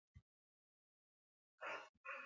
غول د یخ مشروبات نه خوښوي.